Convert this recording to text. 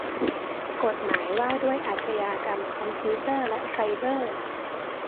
กฎหมายว่าด้วยอาขญากรรมคอมพิวเตอร์และไซเบอร์